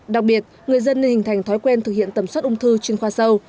đặc biệt người dân nên hình thành thói quen thực hiện tầm soát ung thư chuyên khoa sâu